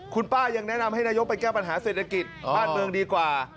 คุณป้ายังแนะนำให้นายกไปแก้ปัญหาเศรษฐกิจบ้านเมืองดีกว่า